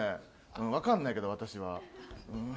分からないけど、私は。